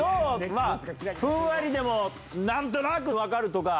まあ、ふんわりでも、なんとなく分かるとか。